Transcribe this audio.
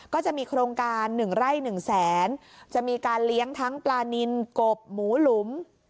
ก็จะมีโครงการ๑ไร่๑แสนจะมีการเลี้ยงทั้งปลานินกบหมูหลุม